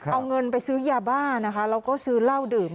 เอาเงินไปซื้อยาบ้านะคะแล้วก็ซื้อเหล้าดื่ม